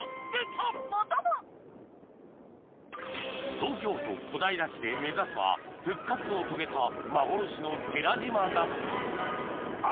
東京都小平市で目指すは復活を遂げた幻の寺島ナスあ